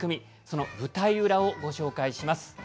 その舞台裏を、ご紹介します。